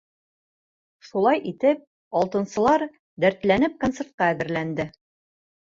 Шулай итеп, алтынсылар дәртләнеп концертҡа әҙерләнде.